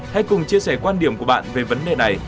hãy cùng chia sẻ quan điểm của bạn về vấn đề này